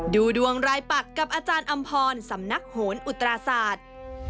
ดูดวงรายปักกับอาจารย์อำพรสำนักโหนอุตราศาสตร์